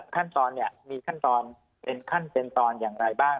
ขั้นตอนเนี่ยมีขั้นตอนเป็นขั้นเป็นตอนอย่างไรบ้าง